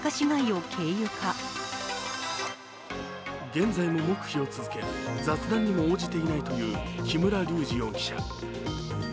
現在も黙秘を続け、雑談にも応じていないという木村隆二容疑者。